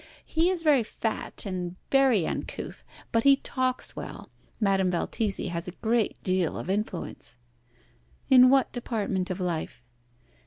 He is very fat, and very uncouth, but he talks well. Madame Valtesi has a great deal of influence." "In what department of life?"